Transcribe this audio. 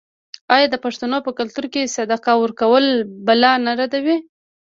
آیا د پښتنو په کلتور کې صدقه ورکول بلا نه ردوي؟